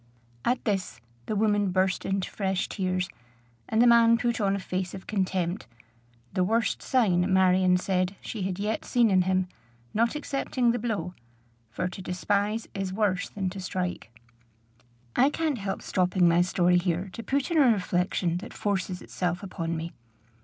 At this the woman burst into fresh tears, and the man put on a face of contempt, the worst sign, Marion said, she had yet seen in him, not excepting the blow; for to despise is worse than to strike. I can't help stopping my story here to put in a reflection that forces itself upon me.